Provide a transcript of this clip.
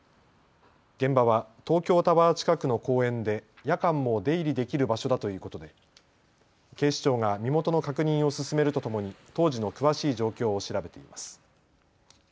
現場は東京タワー近くの公園で夜間も出入りできる場所だということで警視庁が身元の確認を進めるとともに当時の詳しい状況を調べています。